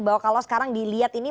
bahwa kalau sekarang dilihat ini